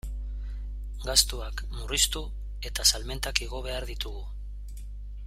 Gastuak murriztu eta salmentak igo behar ditugu.